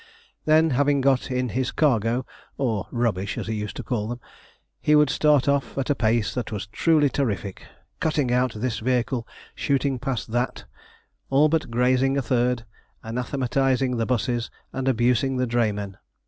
Then having got in his cargo (or rubbish, as he used to call them), he would start off at a pace that was truly terrific, cutting out this vehicle, shooting past that, all but grazing a third, anathematizing the 'buses, and abusing the draymen.